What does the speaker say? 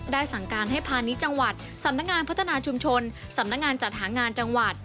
สั่งการให้พาณิชย์จังหวัดสำนักงานพัฒนาชุมชนสำนักงานจัดหางานจังหวัด